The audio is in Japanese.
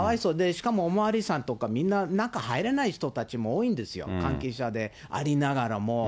しかもお巡りさんとかみんな、中入れない人たちも多いんですよ、関係者でありながらも。